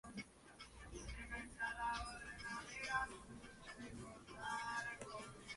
Durante sus años con The Byrds se destaca su trabajo como compositor y vocalista.